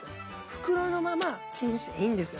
袋のままチンしていいんですよね。